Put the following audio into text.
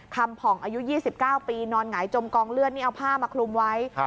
ผ่องอายุ๒๙ปีนอนหงายจมกองเลือดนี่เอาผ้ามาคลุมไว้